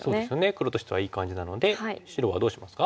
黒としてはいい感じなので白はどうしますか？